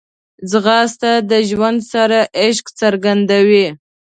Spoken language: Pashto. ځغاسته د ژوند سره عشق څرګندوي